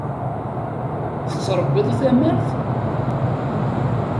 Tettṛebbiḍ tamart?